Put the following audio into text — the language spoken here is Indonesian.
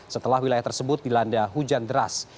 setelah wilayah tersebut dilanda hujan deras